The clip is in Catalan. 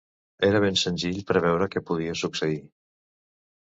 Era ben senzill preveure què podia succeir.